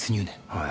はい